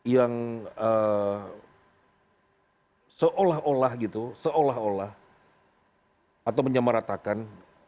yang seolah olah gitu seolah olah atau menyamaratakan